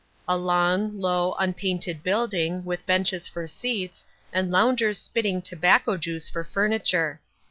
A long, low, unpainted building, with benches for seats, and loungers spitting tobacco juice for furniture.